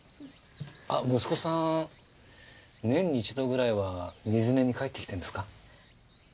あっ息子さん年に一度くらいは水根に帰ってきてんですか？